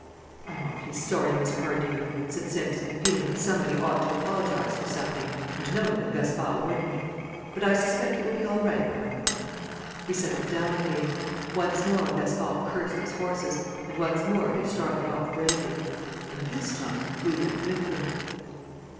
"I'm awfully sorry, Miss Cardew," said Simpson, feeling that somebody ought to apologize for something and knowing that Gaspard wouldn't, "but I expect it will be all right now." We settled down again. Once more Gaspard cursed his horses, and once more they started off bravely. And this time we went with them.